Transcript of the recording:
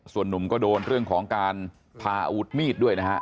ส่วนนุ่มก็โดนเรื่องของการพาอาวุธมีดด้วยนะฮะ